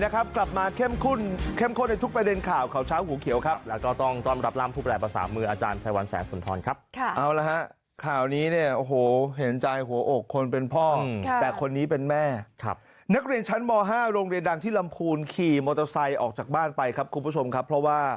กลับมาเข้มข้นเข้มข้นในทุกประเด็นข่าวข่าวเช้าหัวเขียวครับแล้วก็ต้องต้อนรับร่ำผู้แปรภาษามืออาจารย์ไพรวันแสงสุนทรครับเอาละฮะข่าวนี้เนี่ยโอ้โหเห็นใจหัวอกคนเป็นพ่อแต่คนนี้เป็นแม่ครับนักเรียนชั้นม๕โรงเรียนดังที่ลำพูนขี่มอเตอร์ไซค์ออกจากบ้านไปครับคุณผู้ชมครับเพราะว่า